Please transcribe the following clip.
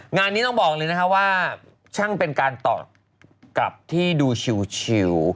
งานนี้ต้องบอกเลยนะคะว่าช่างเป็นการตอบกลับที่ดูชิว